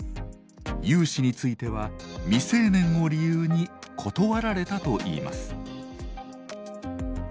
融資については未成年を理由に断られたといいます。